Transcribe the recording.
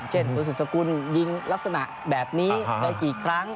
เช่นคุณสุดสกุลยิงลักษณะแบบนี้ได้กี่ครั้ง